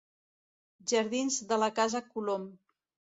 Jardins de la Casa Colom.